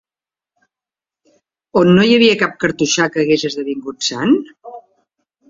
On no hi havia cap cartoixà que hagués esdevingut sant?